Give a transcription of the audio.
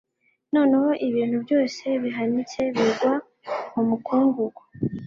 noneho ibintu byose bihanitse bigwa mu mukungugu